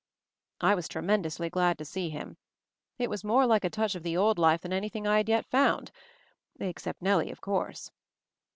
I was tremendously glad to see him. It was more like a touch of the old life than anything I had yet found — except Nellie, of course.